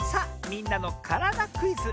「みんなのからだクイズ」！